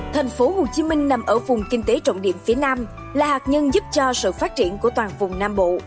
tp hcm nằm ở vùng kinh tế trọng điểm phía nam là hạt nhân giúp cho sự phát triển của toàn vùng nam bộ